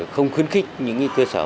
không khuyến khích những cơ sở